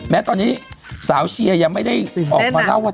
แม้ตอนนี้สาวเชียร์ยังไม่ได้ออกมาเล่าว่า